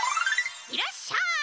いらっしゃい！